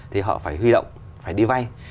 thì họ phải huy động phải đi vay